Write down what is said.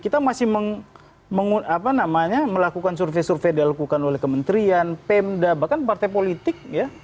kita masih melakukan survei survei dilakukan oleh kementerian pemda bahkan partai politik ya